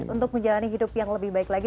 untuk menjalani hidup yang lebih baik lagi